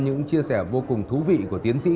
những chia sẻ vô cùng thú vị của tiến sĩ